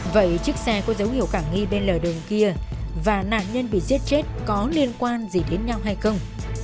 vậy chiếc xe có dấu hiệu cảm nghi bên lề đường kia và nạn nhân bị giết chết có liên quan gì đến nhau hay không